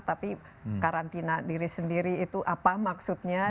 tapi karantina diri sendiri itu apa maksudnya